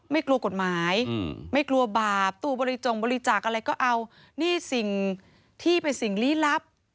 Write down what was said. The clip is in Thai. ไม่กลัวกฎหมายไม่กลัวบาปตู้บริจงบริจาคอะไรก็เอานี่สิ่งที่เป็นสิ่งลี้ลับ